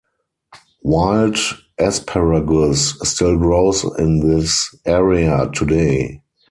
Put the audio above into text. Wild asparagus still grows in this area today.